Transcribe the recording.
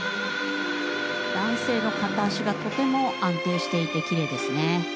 男性の片足がとても安定していてキレイですね。